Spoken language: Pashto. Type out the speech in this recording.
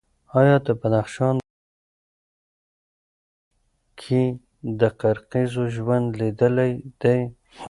ایا د بدخشان د پامیر په سیمه کې د قرغیزو ژوند لیدلی دی؟